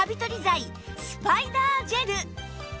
剤スパイダージェル